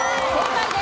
正解です。